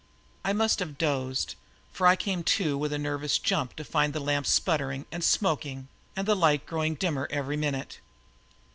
I must have dozed for I came to with a nervous jump to find the lamp sputtering and smoking and the light growing dimmer every minute.